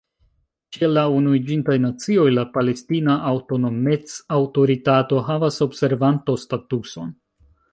Ĉe la Unuiĝintaj Nacioj la Palestina Aŭtonomec-Aŭtoritato havas observanto-statuson.